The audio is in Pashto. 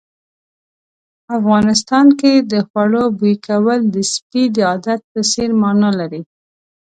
افغانستان کې د خوړو بوي کول د سپي د عادت په څېر مانا لري.